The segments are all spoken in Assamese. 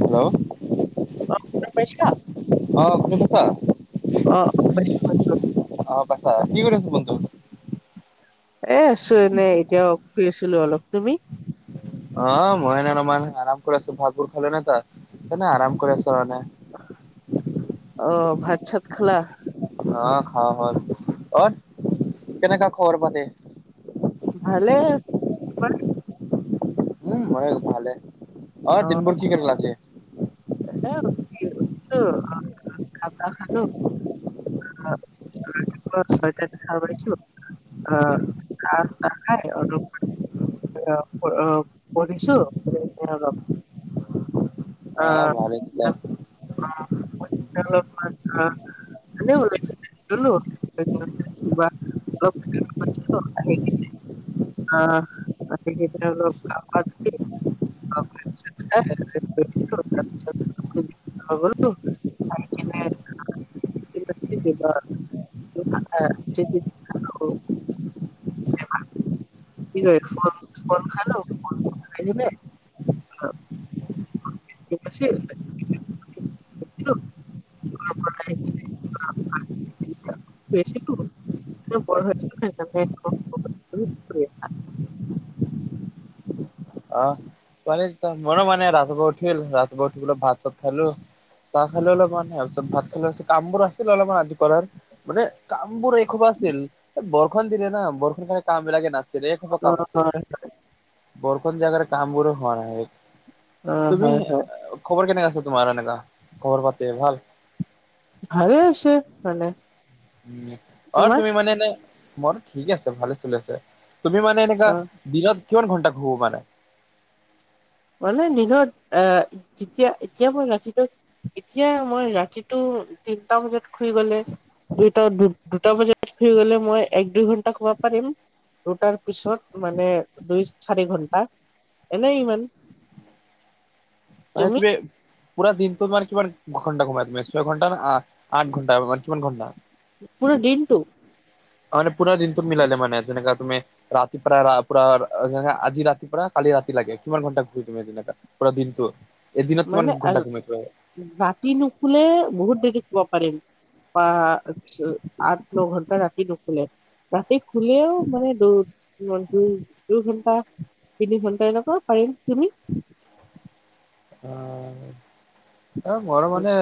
হেল্ল'। অ শুনা পাইছা অ' শুনি পাইছা? অ অ পাইছো অ' পাইছা, কি কৰি আছা বন্ধু? এ আছো এনেই, এতিয়া শুই আছিলো অলপ। তুমি? অ' মই এনে অলপমান আৰাম কৰি আছো, ভাতবোৰ খালা নে তই, এনে আৰাম কৰি আছো মানে! অ' ভাত-চাত খালা? অ' খাৱা হ'ল। অ'ৰ কেনেকা খবৰ পাতি? ভালে। উম মহেশ ভালে অ দিনবোৰ কি কৰিলা আজি? এ কি কিও খাজা খালো। ছয়তাত সাৰ পাইছো অ খা তাহ খাই অলপ অঁ অ। পদিছো। এয়দক। অঁ মালিক ক? নৌ লেটিভ। ললো। অ [unintelligible] অহ' [unintelligible] অ [unintelligible] হ বলো। িক [unintelligible] কি কৰি [unintelligible] ফল খালো। কাইলে নে? গম পাইছি? বেছি তোৰ, নে বৰ ভাজিতো খাইছা? নে খ অ, কালি যিটো মোৰো মানে ৰাতিপুৱা উঠিল, ৰাতিপুৱা উঠিবলৈ ভাত-চাত খালো। চাহ খালো অলপমান তাৰ পিছত ভাত খালো, কামবোৰ আছিলে অলপমান ৰাতিপুৱা মানে কামবোৰ এই খোবা আছিল, বৰষুণ দিলে না বৰষুণ কাৰণে কামবিলাকে নাছিলে। মোৰো কাম আছিল, বৰষুণ দিয়া কাৰনে কামবোৰো হোৱা নাই। অ', তুমি হয়, হয়, খবৰ কেনেকা আছে তোমাৰ এনেকা, খবৰ পাতি ভাল? ভালে আছে মানে। উম, অহ তোমাৰ? তুমি মানে এনে, মইতো ঠিক আছে ভালে চলি আছে, তুমি মানে এনেকা অ'। দিনত কিমান ঘণ্টা শুব পাৰা? মানে দিনত আহ যেতিয়া এতিয়া মই ৰাতিটো এতিয়া মই ৰাতিটো তিনটা বজাত শুই গ'লে দুটা দুটা বজাত শুই গ'লে মই এক দুই ঘণ্টা শুব পাৰিম। দুটাৰ পিছত মানে দুই - চাৰি ঘন্টা এনেই ইমান হয় তুমি পুৰা দিনটো তানে কিমান ঘণ্টা ঘোমাই, ছয় ঘণ্টা নে আঠ ঘণ্টা মানে কিমান ঘণ্টা? পুৰা দিনটো। অ মানে পুৰা দিনটো মিলালে মানে যেনেকা তুমি ৰাতিপাৰা ৰা পুৰা যে আজি ৰাতিপৰা কালি ৰাতি লেকে, কিমান ঘণ্টা ঘূৰি তুমি যেনেকুৱা? পুৰা দিনটো। এদিনত কিমান মানে আ ঘণ্টা ঘুমাই ৰাতি নুশুলে বহুত দেৰি শুব পাৰিম। বা আঠ, আঠ ন ঘণ্টা ৰাতি নুশুলে? ৰাতি খুলেও মানে দৌ। ইহতি দুঘণ্টা - তিনি ঘণ্টা এনেকুৱা পাৰিম তুমি? অহ', অ মৰো মানে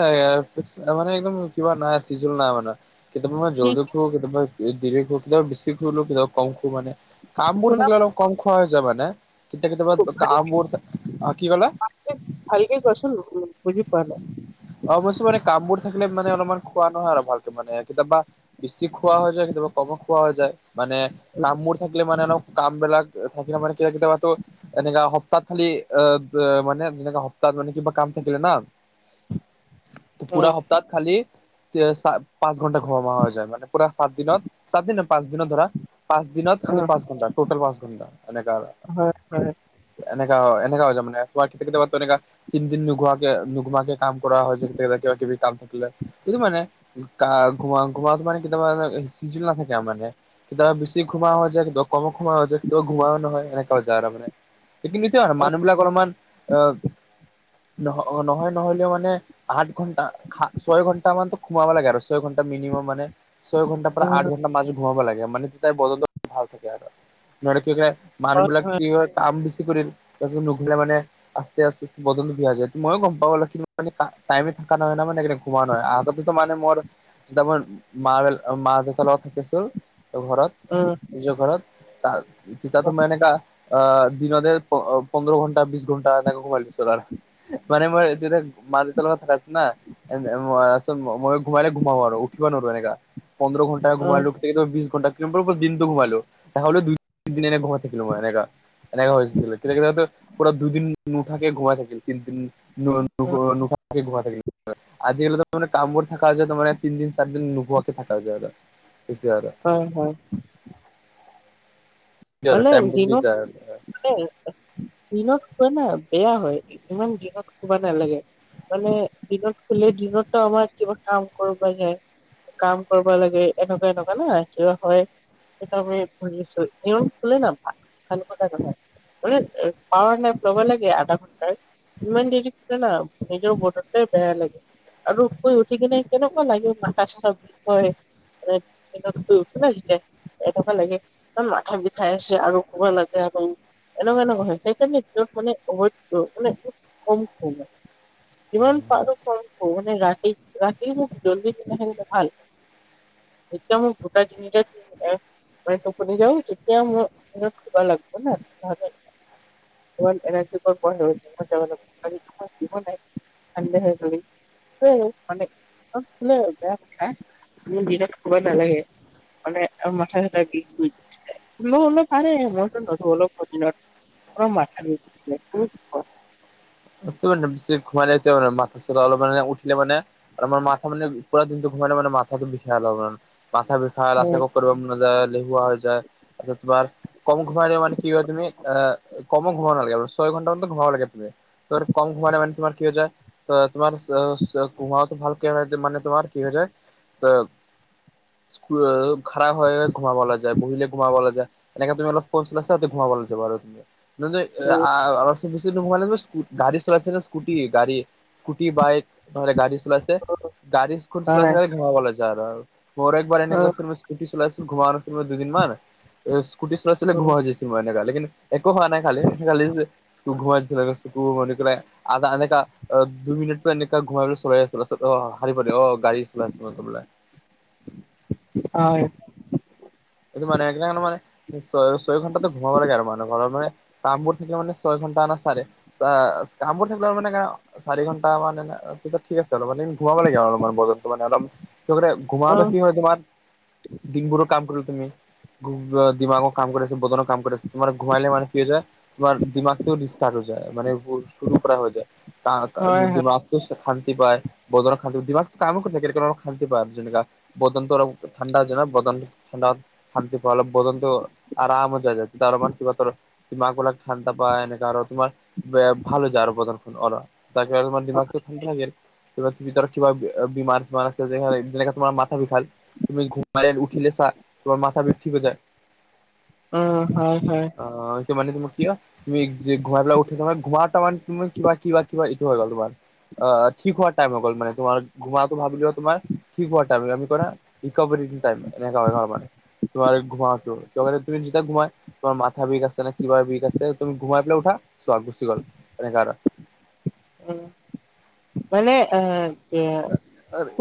খুবচ এটা মনে একদম কিবা নাই চিজিল নাই মানে, কেতিয়াবা মানে কি জলদি শু কেতিয়াবা দেৰিকে উঠিলে বেছি শু, কম খু মানে কামবোৰ শুনা থাকিলে অলপ কম খোৱা হৈ যায় মানে। কেতিয়াবা কেতিয়াবা গা মোৰ অ কি কলে? এ ভালকে কোৱাচোন উম বুজি পোৱা নাই? অৱশ্যে মানে কামবোৰ থাকিলে মানে অলপমান খোৱা নহয় আৰু ভালকে মানে কেতিয়াবা বেছি খোৱা হৈ যায় কেতিয়াবা কমত খোৱা হৈ যায় মানে কামবোৰ থাকিলে মানে অলপ কামবিলাক তেওঁ থাকিলে মানে কি হয় কেতিয়াবাতো এনেকা সপ্তাহত খালি, অ ব মানে যেনেকা সপ্তাহত মানে কিবা কাম থাকিলে না পুৰা হয় সপ্তাহত খালি তেওঁক চা পাঁচ ঘন্টা ঘুম মা হৈ যায়, মানে পুৰা চাত দিনত চাত দিন পাঁচ দিনত ধৰা পাঁচ দিনত খালি হয় পাঁচ ঘন্টা, টটেল পাঁচ ঘণ্টা এনেকা আৰ হয় এনেকা অ এনেকা হৈ যায় মানে, শুৱাত কেতিয়া কেতিয়াবা এনেকা তিনদিন নুঘোৱাকে নুঘোমুৱাকে কৰা হয়, কিবা কিবি কাম থাকিলে এইটো মানে, কা ঘুমা ঘুমাটো মানে কেতিয়াবা মানে চিজিল নাথাকে মানে, কেতিয়াবা বেছি ঘুমা হৈ যায়, কেতিয়াবা কম ঘুমোৱা হৈ যায়, কেতিয়াবা ঘুমোও নহয়, এনেকুৱা হৈ যায় মানে। সেইখিনি এতিয়া আৰু মানুহবিলাক অলপমান অ নহ নহয় নহ'লেও মানে মানে আঠ ঘন্টা খা ছয় ঘন্টা মানতো ঘুমাব লাগে আৰু ছয় ঘন্টা মিনিমাম মানে ছয় ঘণ্টাৰ পৰা আঠ ঘণ্টা মাজত ঘুমাব লাগে মানে তাই বদনটো ভাল থাকে আৰু নহলে কি হৈ যায় মানুহবিলাক হয় কিহত কাম বেছি কৰিল তাৰপিছত নুঘোলে মানে আস্তে আস্তে বদনটো বেয়া হৈ যায় মইয়ো গম পাওঁ অলপ খিনি এনেকা টাইমে থকা নহয় ন মানে ঘুমোৱা নহয় আগতেতো মানে মোৰ তেতিয়া মই মাৰ ব মা দেউতাৰ লগত থাকিছিল ঘৰত। অ অ নিজৰ ঘৰত তা তিতাতো মানে এনেকা আ আ আ দিনতে প অ পোন্ধৰ ঘণ্টা বিশ ঘণ্টা এনেকে ঘুমাই দিছিলো আৰু ইহ মানে মই এদিনে মা দেউতাৰ লগত থাকা আছে না এই যে আ মই আছো মই মোৰ ঘুমালে ঘুমাও আৰু উঠিব নোৱাৰো এনেকা। পোন্ধৰ ঘণ্টা ঘুমালো। তেখেতক বিশ ঘণ্টা টেম্পুৰ ওপৰত দিনটো ঘুমালো তা হ'লেও দুই দিন এনে ঘৰত থাকিলোঁ মানে এনেকা', এনেকা হৈছিলে কেতিয়া কেতিয়া হয়তো পৰা দুদিন নুঠাকে ঘুমাই থাকিল তিনদিন ন ৰ'দ নুউঠা বাকি ঘুমাই থাকি।, অ আজিৰলৈকে মানে কামবোৰ থাকা হৈছে যে মানে তিনিদিন চাৰিদিন নুশুৱাকে থাকা যায় আৰু তেতিয়া আৰু হয় হয় উমহু ভালেই টাইমটো দিনত যায় আৰু। হোটেল আছে দিনত শুৱা না বেয়া হয় ইমান দিনত শুবা নেলাগে। মানে দিনত খোলে দিনতো আমাৰ কিবা কাম কৰোতে যায়। কাম কৰিব লাগে এনেকুৱা এনেকুৱা না কিবা কৰে হয় তাৰোপৰি ভুগি আছে এওঁ খোলে না ভাল ভাল কথা নহাই মানে পাৱাৰ নাই লবা লাগে আধা ঘণ্টাৰ ইমান দেৰি শুলে না বতৰটাই বেয়া লাগে। আৰু শুই উঠি কিনে কেনেকুৱা লাগে মাথা-চাতা বিষ হয়। এই অকমান শুই উঠিলে যে এনেকুৱা লাগে ইমান মাথাৰ বিখ চাই আছে আৰু শুব নেলাগে আৰু এনেকুৱা এনেকুৱা হয় সেইকাৰণে এইটো মানে হয় মানে কম সময় যিমান পাৰো ক ক মানে ৰাতি ৰাতিৰ ন জলদি শুলে হেনো ত ভাল। [unintelligible] তেওঁ মোৰ অলপ সুবিধা লাগব না নহ'লে। [unintelligible] [unintelligible] কিমান হ'ল হানড্ৰেড মানে বেয়া দিনত শুবা নালাগে। শুলে আৰু মাথা-চাথা বিষ কৰি থাকে। অন অন পাৰে মইতো ন শুলেও ক্ষতি নাই আমাৰ মাথা বিখ কৰে, শুনিছো ক [unintelligible] ঘুমালে তেওঁৰ মাথা-চাতা অলপমানে উঠিলে মানে আৰু আমাৰ মাথা মানে পুৰা দিনটো ঘুমালে মানে মাথাটো বিষাই অলপমান। মাথা বিষাই উম কৰিব মন নাযায় এলেহুৱা হৈ যায়, তাৰপিছত তোমাৰ কম ঘুমাই লে মানে কি হয় তুমি আ আ কমো ঘুমাব নালাগে, ছয় ঘণ্টা মান টো ঘুমাব লাগে তুমি। তোৰ কম ঘুমালে মানে তোমাৰ কি হৈ যায় ত তোমাৰ স স ঘুমোৱাটো ভালকে হ'লে যে মানে তোমাৰ কি হৈ যায় হেল্প খাৰাব হৈ ঘুমাব যায়, বহিলে ঘুমাব নাযায়। উম [unintelligible] চলাইছেনে স্কুটি, গাড়ী। স্কুটি, বাইক নহ'লে গাড়ী চলাইছে। গাড়ী, স্কুট চলাই চলাই আৰু। মোৰ একবাৰ হয় এনেকুৱা হৈছিল, স্কুটি চলাইছিলো, ঘোমা নাছিলো দুদিনমান! এ স্কুটি চলাই চলাই উম উম ঘোমাই হৈছো মই এনেকা, লেকিন একো হোৱা নাই খালি, [unintelligible] অ' দু-মিনিটতো এনেকে ঘুমাই লৈ চলাই আছিলো। অ' শাৰী পাতি অ', গাড়ী চলাই আছিলো বোলে। হয়। [unintelligible] ছয়-ছয় ঘন্টাটো ঘুমাব লাগে আৰু, মানে ঘৰৰ মান কামবোৰ থাকিলে মানে, ছয় ঘন্টা আনা চাৰে চা, কামবোৰ থাকিলে মানে [unintelligible] চাৰি ঘণ্টা মানে, তেতিয়া ঠিক আছে, অলপমান দিন ঘুমাব লাগে আৰু অলপমান বতৰটো মানে অলপ [unintelligible] ঘুমাওতে উম কি হয় তোমাৰ দিনবোৰৰ কাম কৰি তুমি দিমাগৰ কাম কৰি আছে, বদনৰ কাম কৰি আছা! তোমাৰ ঘুমাইলে মানে কি হৈ যায় তোমাৰ ডিমাগটোও ৰিষ্টাৰ্ট হৈ যায়। মানে চোৰুৰ পৰা হৈ যায়। হয় [unintelligible] হয় ডিমাগ শান্তি পায়, বদনৰ শান্তি, দিমাগটো কামেই কৰি থাকে ন? অলপ শান্তি পায় আৰু যেনেকা! বদনটো অলপ ঠাণ্ডা, যেনে বদন ঠাণ্ডা, শান্তি পোৱা অলপ বদনটো আৰামত যায় যায়। [unintelligible] ডিমাগবিলাক ঠাণ্ডা পায়, এনেকা আৰু তোমাৰ ভাল হৈ যায় আৰু বদন অলপ। তাৰপিছত অলপমান ডিমাগটো ঠিক থাকে। ভিতৰত কিবা বিমাৰ-চিমাৰ আছে, যেনেকে তোমাৰ মাথা বিষাল তুমি ঘুমাই উঠিলে চা তোমাৰ মাথা বিষ ঠিক হৈ যায়। উম, হয় হয়। অ' এইটো মানে তোমাৰ কিয়? তুমি যে ঘুমাই পেলাই উঠিলা, তোমাৰ ঘুমা তাৰমান কিবা-কিবা-কিবা ইটো হৈ গ'ল তোমাৰ অ' ঠিক হোৱাৰ টাইম হৈ গ'ল মানে, তোমাৰ ঘুমাটো ভাবি লোৱা তোমাৰ ঠিক হোৱা টাইম কৰা, ৰিকভাৰি টাইম এনেকা হয় ন আমাৰ! তোমাৰ এই ঘুমাটো, লগতে তুমি যেতিয়া ঘুমাই তোমাৰ মাথা বিষ আছে নে? কিবা বিষ আছে, তুমি ঘুমাই পেলাই উঠা। চোৱা গুচি গ'ল এনেকে আৰু! উম, মানে এ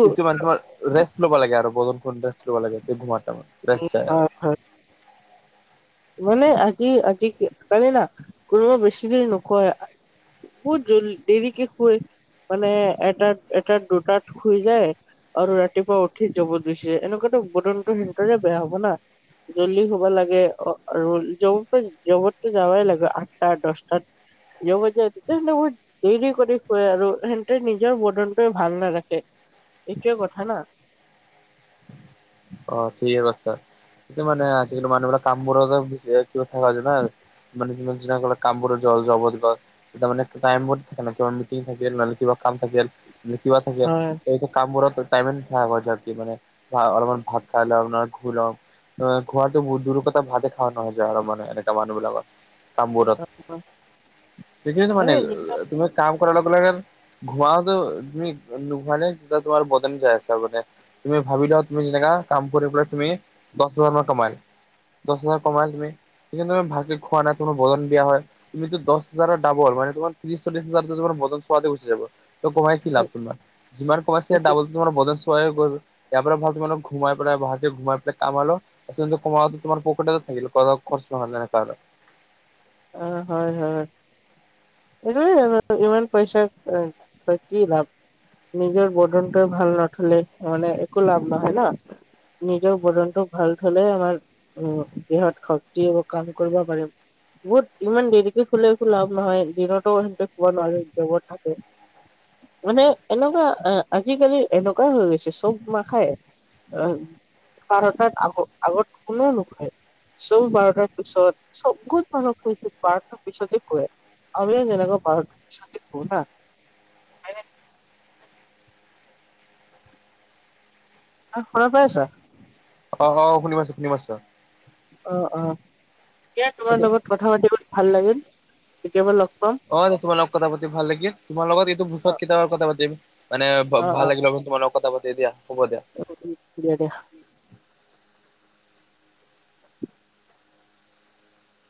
এইটো মানে তোমাৰ, ৰেষ্ট ল'ব লাগে আৰু! বদনখন ৰেষ্ট ল'ব লাগে। বেষ্ট হয় আৰু। মানে আজি-আজিকালি না, কোনোবা বেছি দেৰি নোখোৱাই বহুত জ-দেৰিকে শুৱে, মানে এটাত-এটাত, দুটাত শুই যায় আৰু ৰাতিপুৱা উঠি জবত গৈছে, এনেকুৱাতো বদনটো সোনকালে বেয়া হ'ব না! জল্দি শুব লাগে অ' আৰু জব-জবততো যাবাই লাগে আঠটা দশটাত। [unintelligible] দেৰিকে কৰি শুৱে আৰু, সিহঁতে নিজৰ বদনটোৱে ভাল নাৰাখে। এইটোৱে কথা না! অ' ঠিকে কৈছা, এ মানে আজিকালি মানুহবিলাক কামবোৰত বুছি মানে য কামবোৰত যাব দিবা [unintelligible] তাৰমানে টাইমত এনেকুৱা মিটিং থাকিল, নহ'বা কিবা কাম থাকিল কিবা থাকে, হয় এতিয়া কামবোৰত টাইমে নাথাকে [unintelligible] ভাত খাই লওঁ, আপোনাৰ শুই লওঁ। খোৱাটো [unintelligible] আৰু যে এনেকা মানুহবিলাকৰ কামবোৰত, হয়। সেইখিন মানে তুমি কাম কৰাৰ লগে লগে ঘুমাটো তুমি নোঘোৱালে তোমাৰ বদন যাই আছা মানে তুমি ভাবিলা তুমি যেনেকা কাম কৰি পেলাই তুমি দহ হাজাৰ মান কমাই- দহ হাজাৰ কমাই তুমি, সেইকাৰণে তুমি ভালকে খোৱা নাই। তোমাৰ বদন বেয়া হয় তুমিতো দহ হাজাৰৰ ডাবল মান তোমাৰ ত্ৰিচ চল্লিচ হাজাৰ তোমাৰ মদন চোৱাদে গুচি যাব। তো কমাই কি লাভ তোমাৰ যিমান কমাইছে এইটো দাবল তোমাৰ বদন চোৱাই গল। ইয়াৰ পৰা ভাল তোমাৰ- সোমাই পেলাই গুৱাহাটী ঘোমাই পেলাই কামালো আচলু তোমাৰ তোমাৰ পকেটটা থাকিল [unintelligible] খৰচ নহলে কৰোঁ। অ হয় হয়। এইটো ইমান পইচাৰ কি লাভ। [unintelligible] নিজৰ বদনটো ভাল নঠলে মানে একো লাভ নহয় না। নিজৰ বদনতটো ভাল থলে আমাৰ উ দেহত শক্তি বা কাম কৰিব পাৰিম। বহুত ইমান দেৰিকে খোলে একো লাভ নহয় দিনতো সেহতে খব নোৱাৰে জগত থাকে। মানে এনেকুৱা আজিকালি এনেকুৱাই হৈ গৈছে চব মাখায়- অ বাৰটাত আগ আগত কোনে নোখোয়াই। চব বাৰটাৰ পিছত চবত মানহ- বাৰটা পিছতে শুলে, আমি যেনেকা বাৰটা পিছতে শুৱো না- অ শুনা পাই আছা। অ অ শুনি পাইছো শুনি পাইছো। অ অ এ তোমাৰ লগত কথা পাতিব ভাল লাগিল কেতিয়াবা লগ পাম। অ তোমাৰ লগত কথা পাতি ভাল লাগিল, তোমাৰ লগত এইটো বিষয়ক অ', কেতিয়াবা কথা পাতিম। মানে অ', অ', ভাল লাগিল আৰু তোমাৰ লগত কথা পাতি দিয়া হ'ব দিয়া। দিয়া দিয়া।